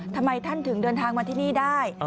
ทำไมท่านถึงเดินทางมาที่นี่ได้